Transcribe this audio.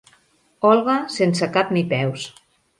Olga sense cap ni peus.